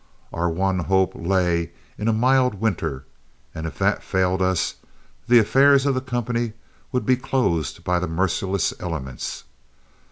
Our one hope lay in a mild winter, and if that failed us the affairs of the company would be closed by the merciless elements.